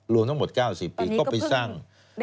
รวมทั้งหมด๙๐ปีก็ไปสร้าง